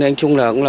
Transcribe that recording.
anh trung là